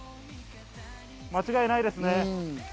間違いないですね。